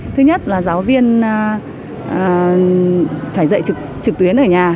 thứ nhất là giáo viên phải dạy trực tuyến ở nhà